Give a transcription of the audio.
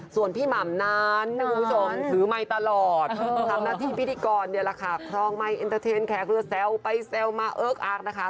ส่วนพี่หม่ำนั้นนะคุณผู้ชมถือไมค์ตลอดทำหน้าที่พิธีกรเนี่ยแหละค่ะครองไมคเอ็นเตอร์เทนแขกเรือแซวไปแซวมาเอิ๊กอักนะคะ